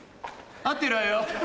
合ってるわよ。